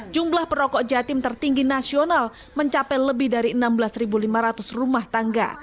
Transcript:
jumlah perokok jatim tertinggi nasional mencapai lebih dari enam belas lima ratus rumah tangga